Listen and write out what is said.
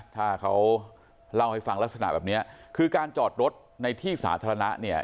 ถ้าเขาเล่าให้ฟังลักษณะแบบนี้คือการจอดรถในที่สาธารณะเนี่ย